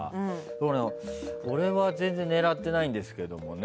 俺は全然狙ってないんですけどね。